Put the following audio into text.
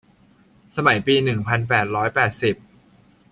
สมัยปีหนึ่งพันแปดร้อยแปดสิบ